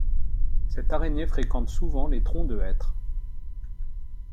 Cette araignée fréquente souvent les troncs de hêtre.